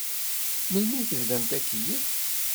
Melmi i tebdamt akeyyef?